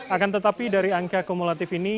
akan tetapi dari angka kumulatif ini